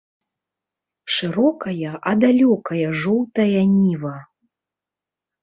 Шырокая а далёкая жоўтая ніва!